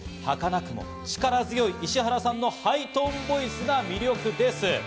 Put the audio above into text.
儚く、力強い石原さんのハイトーンボイスが魅力です。